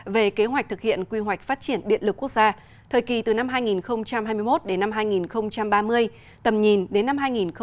về kế hoạch thực hiện quy hoạch phát triển điện lực quốc gia thời kỳ từ năm hai nghìn hai mươi một đến năm hai nghìn ba mươi tầm nhìn đến năm hai nghìn năm mươi